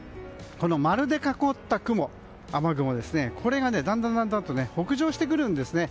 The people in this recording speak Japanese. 丸で囲った雲がだんだんと北上してくるんですね。